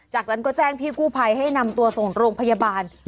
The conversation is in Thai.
จากนั้นก็แจ้งพี่กู้ภัยให้นำตัวส่งโรงพยาบาล